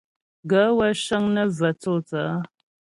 Gaə̌ wə́ cə́ŋ nə́ və tsô tsaə̌.